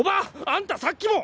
あんたさっきも！